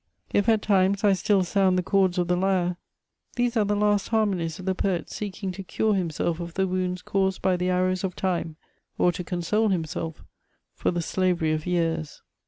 If at times I still sound the chords of the lyre, these are the last harmonies of the poet seeking to cure himself of the wounds caused by the arrows of time, or to console himself for the slavery of years.